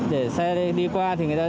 để xe đi qua thì người ta